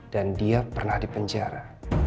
dan dia pernah dipenjara